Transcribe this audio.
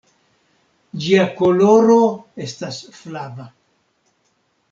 Ĝia koloro estas flava.